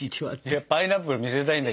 いやパイナップル見せたいんだけど。